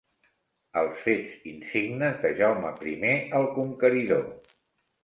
Els fets insignes de Jaume primer el Conqueridor.